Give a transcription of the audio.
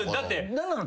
何なの？